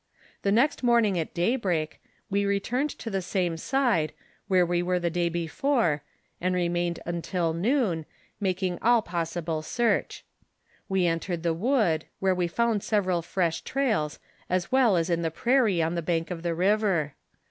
The next morning at daybreak, we returned to the same side where we were the day before, and remained till noon, making all possible search. "We entered the wood, where we found sev eral fresh trails, as well as in the prairie on the bank of the river.